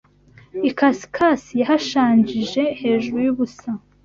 Ikasikazi yahashanjije hejuru y’ubusa